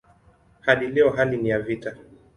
Hadi leo hali ni ya vita.